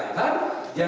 apakah ini berhasil